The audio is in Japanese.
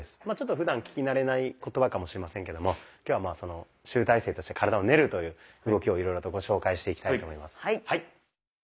まあちょっとふだん聞き慣れない言葉かもしれませんけども今日は集大成として「体を練る」という動きをいろいろとご紹介していきたいと思います。